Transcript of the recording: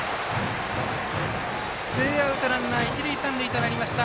ツーアウト、ランナー、一塁三塁となりました。